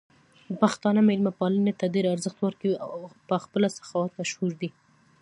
پښتانه مېلمه پالنې ته ډېر ارزښت ورکوي او په سخاوت مشهور دي.